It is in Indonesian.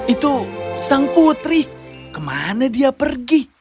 itu sang putri kemana dia pergi